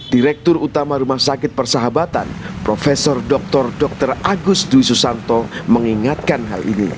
direktur utama rumah sakit persahabatan prof dr dr agus dwi susanto mengingatkan hal ini